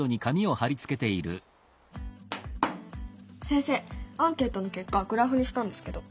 先生アンケートの結果グラフにしたんですけど。